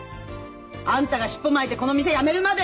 あんたが尻尾巻いてこの店辞めるまで！